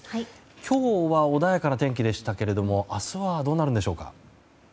今日は、穏やかな天気でしたが明日はどうなるんでしょうか。